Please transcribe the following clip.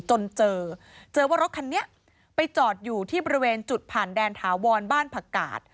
จนเจอเจอว่ารถคันนี้ไปจอดอยู่ที่บริเวณจุดผ่านแดนถาวรบ้านผักกาศ